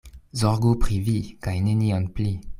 Zorgu pri vi, kaj nenion pli.